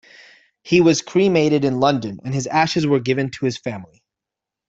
He was cremated in London and his ashes were given to his family.